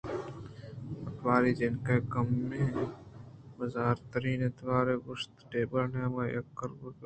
پٹواری ؟ جنک ءَ کمے بزرتریں توارےءَ گوٛشتءُٹیبلءِ نیمگ ءَ یک کِرّبوت